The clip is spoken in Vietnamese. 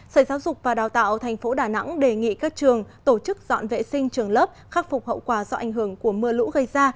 sở giáo dục và đào tạo tp đà nẵng đề nghị các trường tổ chức dọn vệ sinh trường lớp khắc phục hậu quả do ảnh hưởng của mưa lũ gây ra